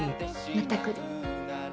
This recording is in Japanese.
また来る。